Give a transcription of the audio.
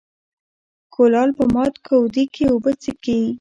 ـ کولال په مات کودي کې اوبه څکي.